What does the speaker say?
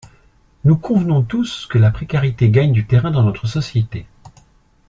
Nous convenons tous que la précarité gagne du terrain dans notre société.